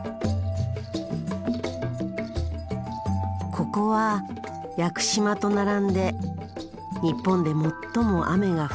ここは屋久島と並んで日本で最も雨が降る場所だ。